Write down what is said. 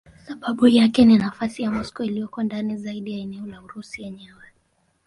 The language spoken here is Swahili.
Sababu yake ni nafasi ya Moscow iliyoko ndani zaidi ya eneo la Urusi yenyewe.